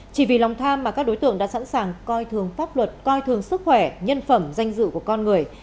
chỉ vì lòng tham mà các đối tượng đã sẵn sàng coi thường pháp luật coi thường sức khỏe nhân phẩm danh dự của con người